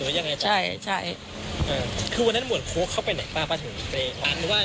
หลังจากนี้แล้วพี่จ้างมีการพูดถูกเธอบดีกับช่วงปากคำ